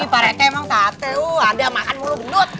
pak rete emang chate andal makan mulu gendut